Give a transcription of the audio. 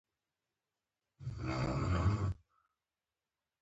په ولایتي شوراګانو کې مشرانو ته ځای ورکړل شي.